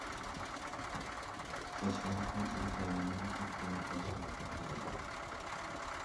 • Cho‘chqani qanchalik avaylama, bir kuni boshiga pichoq keladi.